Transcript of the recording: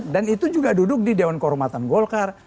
dan itu juga duduk di dewan kehormatan golkar